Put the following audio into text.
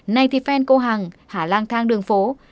nay thì fan cô hằng hả lang thang đường phố